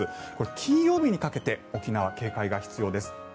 金曜日にかけて沖縄は警戒が必要です。